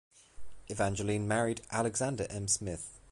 Evangeline married Alexander M. Smith.